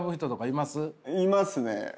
いますね。